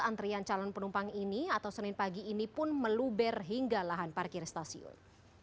antrian calon penumpang ini atau senin pagi ini pun meluber hingga lahan parkir stasiun